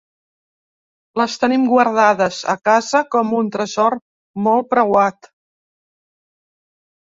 Les tenim guardades, a casa, com un tresor molt preuat.